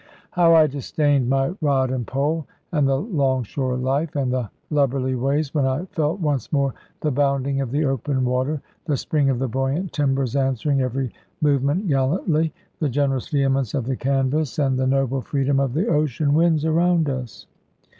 How I disdained my rod and pole, and the long shore life and the lubberly ways, when I felt once more the bounding of the open water, the spring of the buoyant timbers answering every movement gallantly, the generous vehemence of the canvas, and the noble freedom of the ocean winds around us!